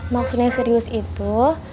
maksudnya serius itu